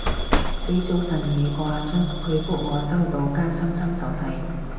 畀咗份嘢個阿叔，佢覆我收到加心心手勢